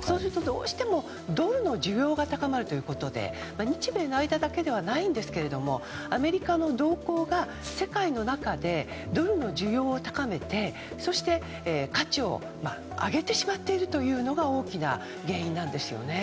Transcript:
そうするとどうしてもドルの需要が高まるということで日米の間だけではないんですけれどもアメリカの動向が世界の中でドルの需要を高めてそして、価値を上げてしまっているというのが大きな原因なんですよね。